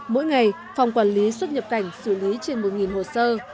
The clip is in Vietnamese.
mỗi ngày phòng quản lý xuất nhập cảnh xử lý trên một hồ sơ